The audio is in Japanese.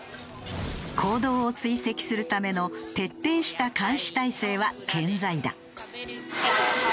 行動を追跡するための徹底した監視体制は健在だ。